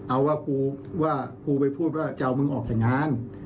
เอาว่ากูไปพูดว่าจะเอามึงออกแผ่งงาน